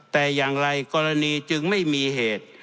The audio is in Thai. แต่อย่างไรกรณีจึงไม่มีเหตุ